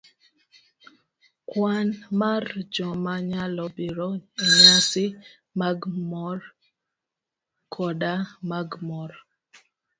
Kwan mar joma nyalo biro enyasi mag mor koda mag mor,